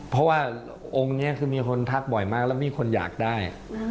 เพราะว่าองค์นี้คือมีคนทักบ่อยมากแล้วมีคนอยากได้